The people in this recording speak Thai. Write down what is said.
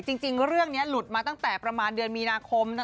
จริงเรื่องนี้หลุดมาตั้งแต่ประมาณเดือนมีนาคม